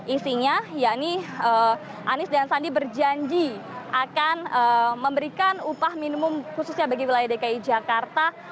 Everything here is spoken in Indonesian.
isinya yakni anies dan sandi berjanji akan memberikan upah minimum khususnya bagi wilayah dki jakarta